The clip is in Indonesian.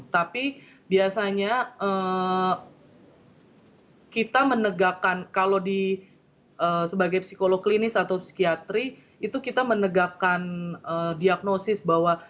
tapi biasanya kita menegakkan kalau sebagai psikolog klinis atau psikiatri itu kita menegakkan diagnosis bahwa